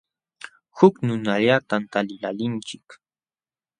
Huk nunallatam taliqlaalinchik.